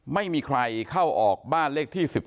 ไม่มีใครเข้าออกบ้านเลขที่๑๙